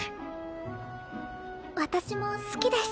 私も好きです。